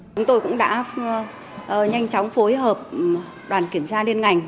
chúng tôi cũng đã nhanh chóng phối hợp đoàn kiểm tra liên ngành